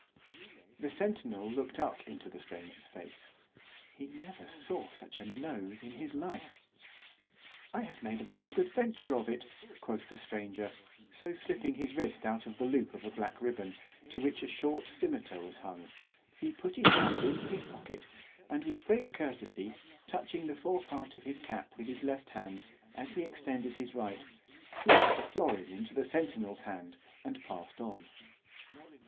_ The centinel looked up into the stranger's face——he never saw such a Nose in his life! —I have made a very good venture of it, quoth the stranger—so slipping his wrist out of the loop of a black ribbon, to which a short scymetar was hung, he put his hand into his pocket, and with great courtesy touching the fore part of his cap with his left hand, as he extended his right——he put a florin into the centinel's hand, and passed on.